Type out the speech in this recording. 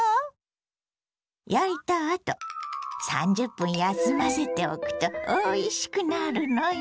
焼いたあと３０分休ませておくとおいしくなるのよ！